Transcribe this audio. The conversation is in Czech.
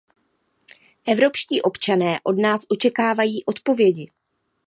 Evropští občané od nás očekávají odpovědi.